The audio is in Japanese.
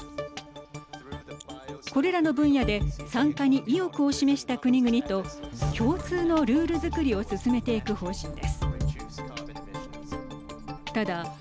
これらの分野で参加に意欲を示した国々と共通のルールづくりを進めていく方針です。